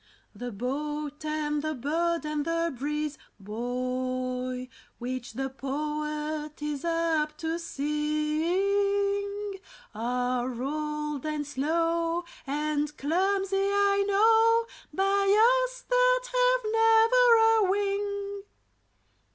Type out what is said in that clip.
The boat, and the bird, and the breeze, boy, Which the poet is apt to sing, Are old and slow and clumsy, I know, By us that have never a wing.